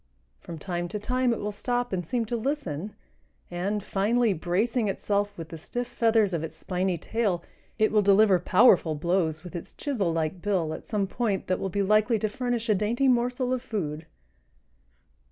From time to time it will stop and seem to listen, and, finally bracing itself with the stiff feathers of its spiney tail, it will deliver powerful blows with its chisel like bill at some point that will be likely to furnish a dainty morsel of food.